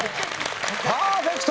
パーフェクト！